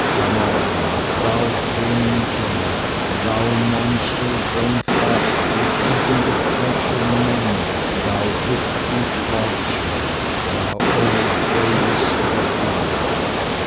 Come on, thou grinning dog, thou monster grown fat with eating the flesh of men, thou hook beaked vulture, thou old, grey whiskered wolf!"